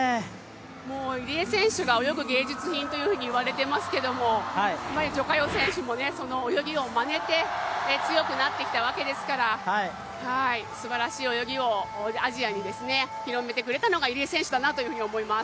入江選手が泳ぐ芸術品といわれていますけど、徐嘉余選手もその泳ぎをまねて強くなってきたわけですからすばらしい泳ぎをアジアに広めてくれたのが入江選手だなと思います。